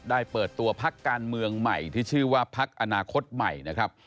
เปิดตัวพักการเมืองใหม่ที่ชื่อว่าพักอนาคตใหม่นะครับ